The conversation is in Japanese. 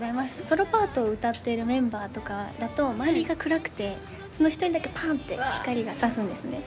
ソロパートを歌っているメンバーとかだと周りが暗くてその一人だけパンって光がさすんですね。